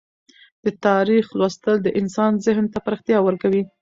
د تاریخ لوستل د انسان ذهن ته پراختیا ورکوي.